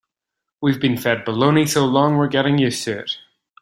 We've been fed baloney so long we're getting used to it.